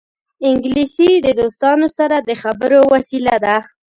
انګلیسي د دوستانو سره د خبرو وسیله ده